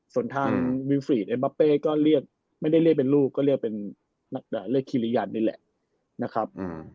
ส่วนทางวิวฟรีดเอ็มบาเป้ก็เรียกไม่ได้เรียกเป็นลูกก็เรียกเป็นนักเรียกคิริยันนี่แหละนะครับ